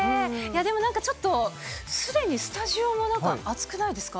でもなんかちょっと、すでにスタジオの中、暑くないですか？